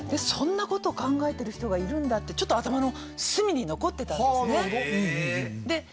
そんなことを考えてる人がいるんだってちょっと頭の隅に残ってたんですねで